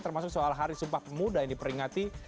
termasuk soal hari sumpah pemuda yang diperingati